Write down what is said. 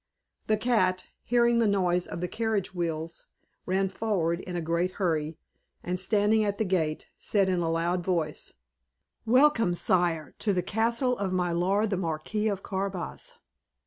The cat, hearing the noise of the carriage wheels, ran forward in a great hurry, and standing at the gate, said in a loud voice, "Welcome, sire, to the castle of my lord the Marquis of Carabas."